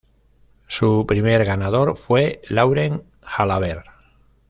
Su primer ganador fue Laurent Jalabert.